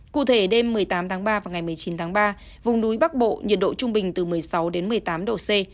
cụ thể đêm một mươi tám tháng ba và ngày một mươi chín tháng ba vùng núi bắc bộ nhiệt độ trung bình từ một mươi sáu đến một mươi tám độ c